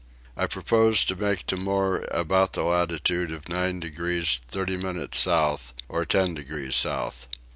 I proposed to make Timor about the latitude of 9 degrees 30 minutes south, or 10 degrees south.